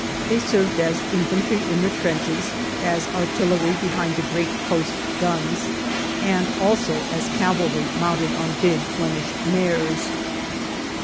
They served as infantry in the trenches, as artillery behind the great coast guns, and also as cavalry mounted on big Flemish mares.